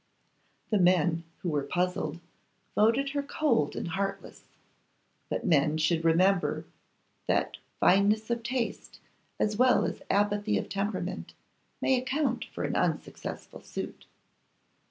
The men, who were puzzled, voted her cold and heartless; but men should remember that fineness of taste, as well as apathy of temperament, may account for an unsuccessful suit.